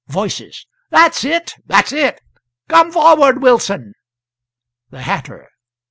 Voices. "That's it! That's it! Come forward, Wilson!" The Hatter.